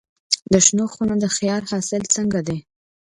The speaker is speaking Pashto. د شنو خونو د خیار حاصل څنګه دی؟